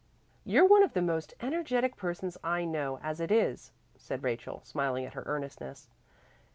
"You're one of the most energetic persons I know, as it is," said Rachel, smiling at her earnestness.